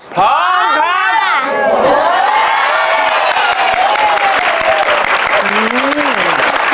พร้อมครับ